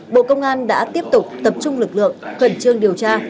bộ công an đã tiếp tục tập trung lực lượng khẩn trương điều tra